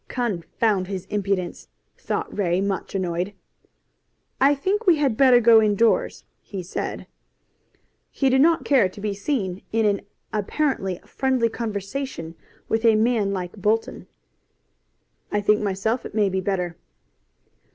"Confound his impudence!" thought Ray, much annoyed. "I think we had better go indoors," he said. He did not care to be seen in an apparently friendly conversation with a man like Bolton. "I think myself it may be better."